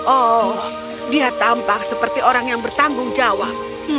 oh dia tampak seperti orang yang bertanggung jawab